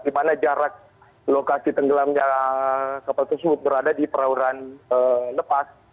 di mana jarak lokasi tenggelamnya kapal tersebut berada di perauran lepas